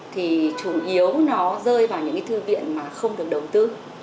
thì chủ yếu nó rơi vào những cái thư viện mà không được đầu tư